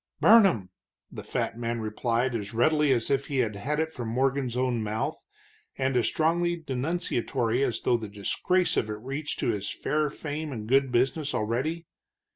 "Burn 'em," the fat man replied, as readily as if he had it from Morgan's own mouth, and as strongly denunciatory as though the disgrace of it reached to his fair fame and good business already.